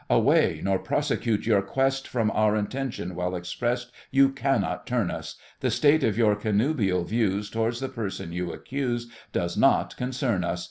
Away, nor prosecute your quest— From our intention, well expressed, You cannot turn us! The state of your connubial views Towards the person you accuse Does not concern us!